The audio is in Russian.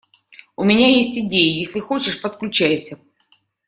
У меня есть идеи, если хочешь - подключайся.